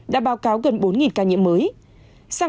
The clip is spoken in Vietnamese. đã báo cáo gần bốn bệnh nhân